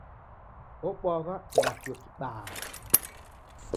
Obwaghwa nakio kibaa.